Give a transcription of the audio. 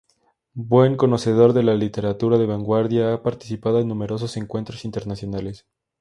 Buen conocedor de la literatura de vanguardia, ha participado en numerosos encuentros internacionales.